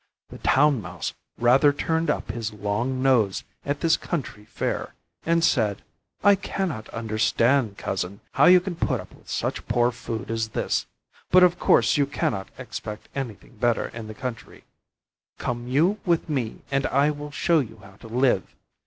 The Town Mouse rather turned up his long nose at this country fare, and said: "I cannot understand, Cousin, how you can put up with such poor food as this, but of course you cannot expect anything better in the country; come you with me and I will show you how to live.